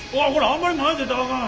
あんまり前出たらあかん。